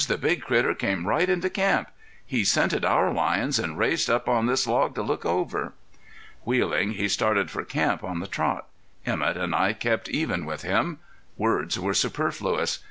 "The big critter came right into camp; he scented our lions, and raised up on this log to look over." Wheeling, he started for camp on the trot. Emett and I kept even with him. Words were superfluous.